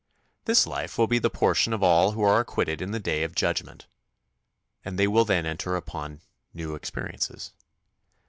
" This life will be the portion of all who are acquitted in the day of judgment, and they will then enter upon new experiences.